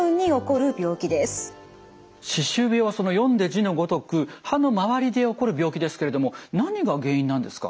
歯周病は読んで字のごとく歯の周りで起こる病気ですけれども何が原因なんですか？